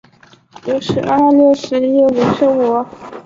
近边耳蕨为鳞毛蕨科耳蕨属下的一个种。